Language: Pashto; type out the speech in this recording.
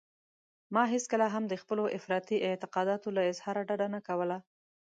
ما هېڅکله هم د خپلو افراطي اعتقاداتو له اظهاره ډډه نه کوله.